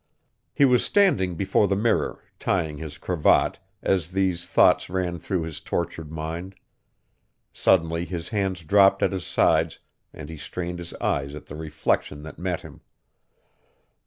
He was standing before the mirror, tying his cravat, as these thoughts ran through his tortured mind. Suddenly his hands dropped at his sides and he strained his eyes at the reflection that met him.